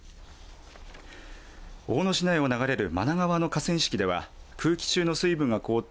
大野市内を流れる真名川の河川敷では空気中の水分が凍って